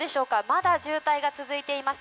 まだ渋滞が続いています。